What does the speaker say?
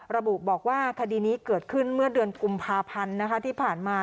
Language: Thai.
ระบุบอกว่าคดีนี้เกิดขึ้นเมื่อเดือนกุมภาพันธ์ที่ผ่านมา